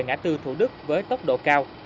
ngã tư thủ đức với tốc độ cao